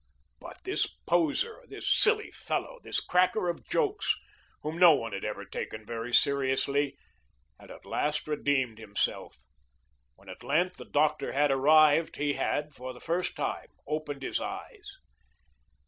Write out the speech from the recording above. But this poser, this silly fellow, this cracker of jokes, whom no one had ever taken very seriously, at the last redeemed himself. When at length, the doctor had arrived, he had, for the first time, opened his eyes.